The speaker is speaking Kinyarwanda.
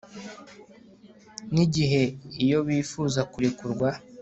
Nigihe iyo yifuza kurekurwa